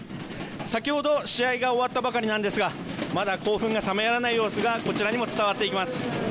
先ほど試合が終わったばかりなんですがまだ興奮が冷めやらない様子がこちらにも伝わってきます。